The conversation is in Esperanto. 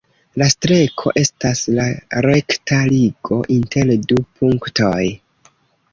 La Streko estas la rekta ligo inter du punktoj.